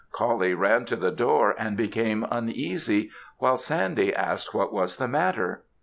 Coullie ran to the door, and became uneasy, while Sandy asked what was the matter.